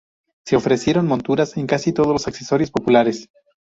Se ofrecieron monturas en casi todos los accesorios populares.